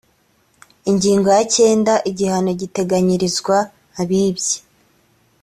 ingingo ya cyenda igihano giteganyirizwa abibye